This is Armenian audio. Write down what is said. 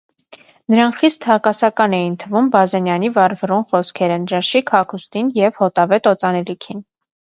նրան խիստ հակասական էին թվում Բազենյանի վառվռուն խոսքերը նրա շիկ հագուստին և հոտավետ օծանելիքին: